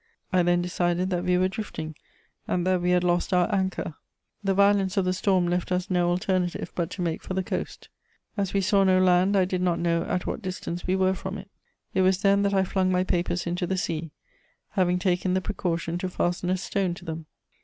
I then decided that we were drifting, and that we had lost our anchor. The violence of the storm left us no alternative but to make for the coast. As we saw no land, I did not know at what distance we were from it. It was then that I flung my papers into the sea, having taken the precaution to fasten a stone to them.